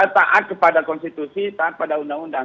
taat kepada konstitusi taat pada undang undang